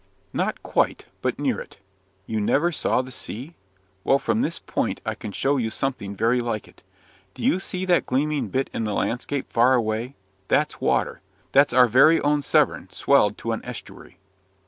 "Not quite, but near it. You never saw the sea? Well, from this point I can show you something very like it. Do you see that gleaming bit in the landscape far away? That's water that's our very own Severn, swelled to an estuary.